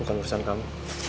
bukan perasaan kamu